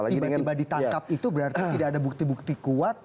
tiba tiba ditangkap itu berarti tidak ada bukti bukti kuat